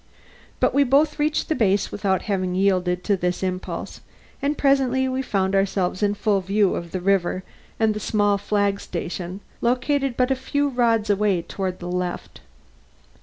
But we both reached the base without her having yielded to this impulse, and presently we found ourselves in full view of the river and the small flag station located but a few rods away toward the left.